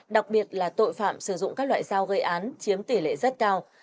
đặc biệt là tội phạm sử dụng các loại dao gây án chiếm tỷ lệ rất cao